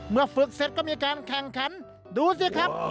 ฝึกเสร็จก็มีการแข่งขันดูสิครับ